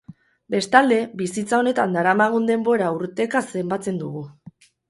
Bestalde, bizitza honetan daramagun denbora urteka zenbatzen dugu.